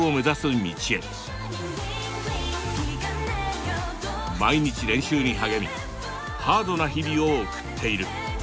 毎日練習に励みハードな日々を送っている。